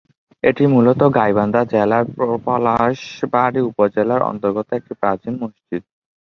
এটি মূলত গাইবান্ধা জেলার পলাশবাড়ী উপজেলার অন্তর্গত একটি প্রাচীন মসজিদ।